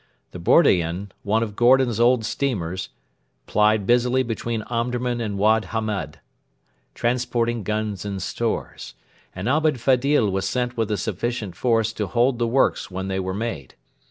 The Bordein, one of Gordon's old steamers, plied busily between Omdurman and Wad Hamed, transporting guns and stores; and Ahmed Fedil was sent with a sufficient force to hold the works when they were made.